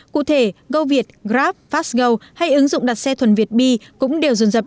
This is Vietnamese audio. cụ thể goviet grab fastgo hay ứng dụng đặt xe thuần việt bi cũng đều dồn rập